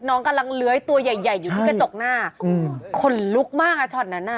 น้องกำลังเลื้อยตัวใหญ่อยู่ในกระจกหน้าคนลุกมากอ่ะช็อตนั้นอ่ะ